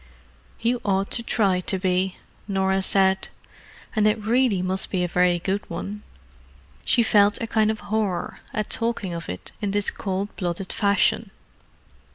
"You ought to try to be," Norah said. "And it really must be a very good one." She felt a kind of horror at talking of it in this cold blooded fashion.